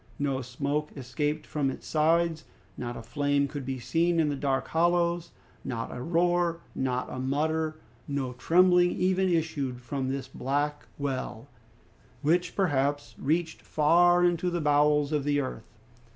No smoke escaped from its sides; not a flame could be seen in the dark hollows; not a roar, not a mutter, no trembling even issued from this black well, which perhaps reached far into the bowels of the earth.